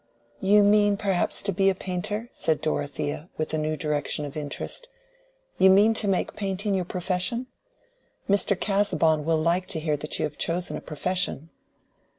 "You mean perhaps to be a painter?" said Dorothea, with a new direction of interest. "You mean to make painting your profession? Mr. Casaubon will like to hear that you have chosen a profession."